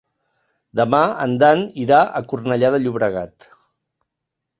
Demà en Dan irà a Cornellà de Llobregat.